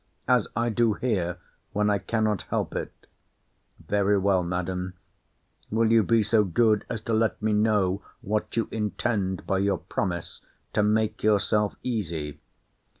As I do here—when I cannot help it. Very well, Madam—Will you be so good as to let me know what you intend by your promise to make yourself easy.